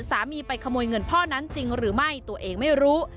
ไปขโมยเงินพ่อนั้นจริงหรือไม่ตัวเองไม่รู้